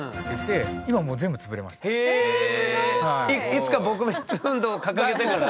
「いつか撲滅運動」を掲げてから？